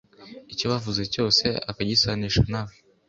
icyo bavuze cyose akagisanisha nawe